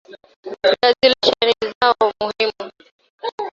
Viazi lishe ni zao muhimu